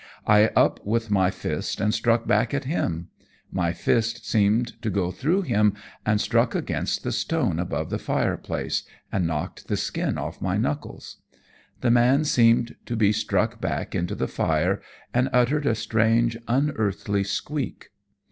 I up with my fist and struck back at him. My fist seemed to go through him and struck against the stone above the fireplace, and knocked the skin off my knuckles. The man seemed to be struck back into the fire, and uttered a strange, unearthly squeak.